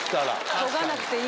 研がなくていい。